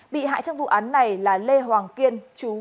bị hại trong vụ án này là lê hoàng kiên